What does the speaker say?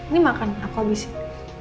nih makan aku habisin